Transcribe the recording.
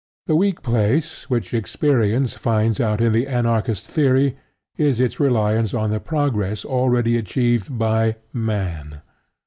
The weak place which experience finds out in the Anarchist theory is its reliance on the progress already achieved by "Man."